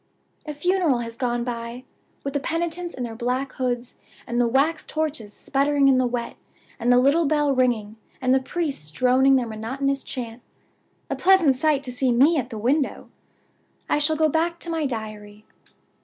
"A funeral has gone by, with the penitents in their black hoods, and the wax torches sputtering in the wet, and the little bell ringing, and the priests droning their monotonous chant. A pleasant sight to meet me at the window! I shall go back to my Diary.